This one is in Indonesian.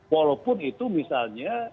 walaupun itu misalnya